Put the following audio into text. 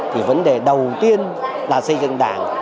thì vấn đề đầu tiên là xây dựng đảng